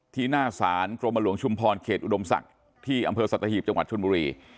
หน้าศาลกรมหลวงชุมพรเขตอุดมศักดิ์ที่อำเภอสัตหีบจังหวัดชนบุรี